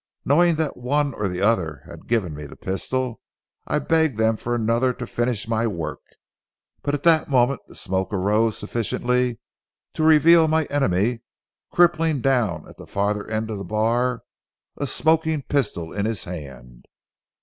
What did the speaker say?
Knowing that one or the other had given me the pistol, I begged them for another to finish my work. But at that moment the smoke arose sufficiently to reveal my enemy crippling down at the farther end of the bar, a smoking pistol in his hand.